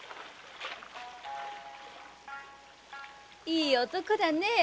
いい男だねぇ。